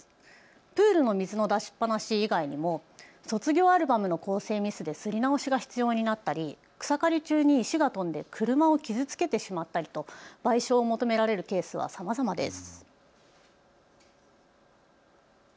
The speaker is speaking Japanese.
プールの水の出しっぱなし以外にも卒業アルバムの校正ミスで刷り直しが必要になったり草刈り中に石が飛んで車を傷つけてしまったりと賠償を求められるケースはさまざまです。